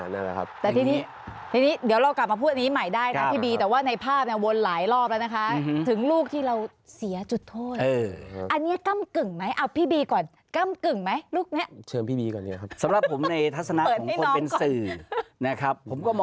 นั่นแหละครับแต่ทีนี้เดี๋ยวเรากลับมาพูดอันนี้ใหม่ได้นะพี่บี